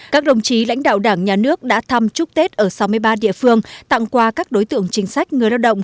các đồng chí lãnh đạo đảng nhà nước đã thăm chúc tết ở sáu mươi ba địa phương tặng quà các đối tượng chính sách người lao động